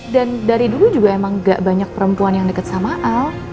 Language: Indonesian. dan dari dulu juga emang gak banyak perempuan yang deket sama al